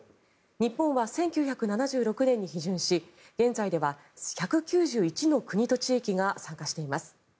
日本は１９７６年に批准し現在では１９１の国と地域が参加しています。